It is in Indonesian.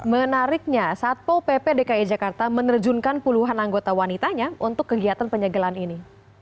menariknya satpol pp dki jakarta menerjunkan puluhan anggota wanitanya untuk kegiatan penyegelan ini